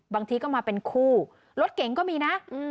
บางทีก็มาเป็นคู่รถเก่งก็มีนะ